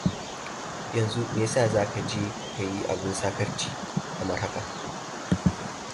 Yanzu meyasa za ka je ka yi abun saƙarci kamar haka?